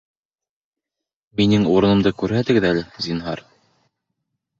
Минең урынымды күрһәтегеҙ әле, зинһар